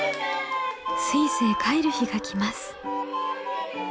スイスへ帰る日が来ます。